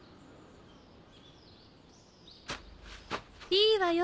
いいわよ